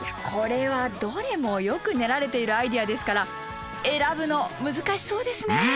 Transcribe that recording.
これはどれもよく練られているアイデアですから選ぶの難しそうですね。